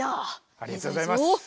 ありがとうございます。